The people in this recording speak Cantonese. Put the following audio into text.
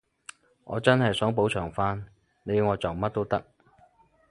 我真係想補償返，你要我做乜都得